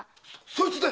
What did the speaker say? そいつだ！